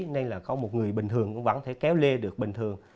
nên là có một người bình thường cũng vẫn thể kéo lê được bình thường